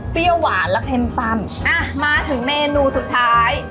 เปรี้ยวหวานและเข้มตันอ่ะมาถึงเมนูสุดท้าย